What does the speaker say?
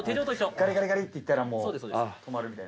ガリガリガリっていったらもうとまるみたいな。